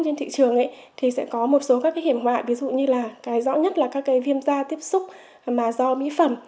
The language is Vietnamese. trên thị trường thì sẽ có một số các cái hiểm họa ví dụ như là cái rõ nhất là các cái viêm da tiếp xúc mà do mỹ phẩm